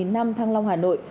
một năm thăng long hà nội